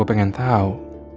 gue pengen tau